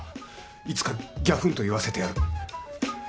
いつかぎゃふんと言わせてやる。